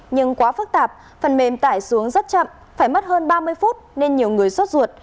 nhưng quá phức tạp phần mềm tải xuống rất chậm phải mất hơn ba mươi phút nên nhiều người sốt ruột